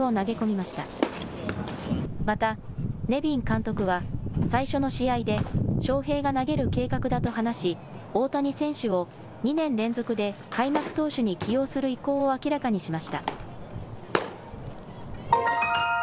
またネビン監督は最初の試合で翔平が投げる計画だと話し大谷選手を２年連続で開幕投手に起用する意向を明らかにしました。